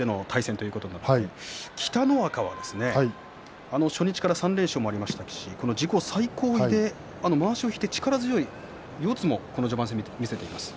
北の若は、初日から３連勝もありましたし自己最高位で、まわしを引いて力強い四つもこの序盤戦見せていました。